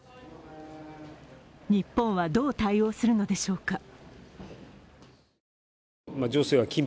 日本はどう対応するのでしょうか。